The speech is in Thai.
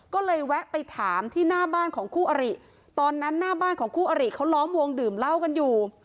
ก็เลยแวะไปถามที่หน้าบ้านของคู่อริตอนนั้นหน้าบ้านของคู่อริเขาล้อมวงดื่มเหล้ากันอยู่